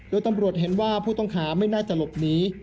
โดยตำรวจเห็นว่าผู้ต้องหาไม่น่าจะหลบหนี